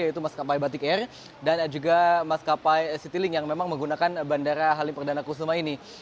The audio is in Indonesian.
yaitu maskapai batik air dan juga maskapai citylink yang memang menggunakan bandara halim perdana kusuma ini